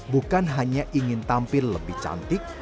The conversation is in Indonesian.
bukan hanya ingin tampil lebih cantik